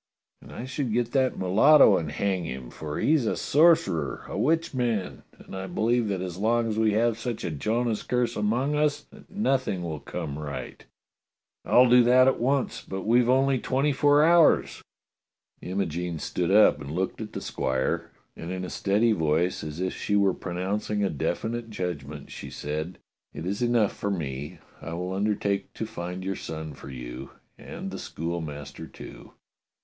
" "And I should get that mulatto and hang him, for he's a sorcerer, a witchman; and I believe that as long as we have such a Jonah's curse among us that nothing will come right." "I'll do that at once. But we've only twenty four hours." Imogene stood up and looked at the squire, and in a steady voice, as if she were pronouncing a definite judg ment, she said: "It is enough for me. I will undertake to find your son for you, and the schoolmaster, too."